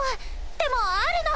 でもあるの！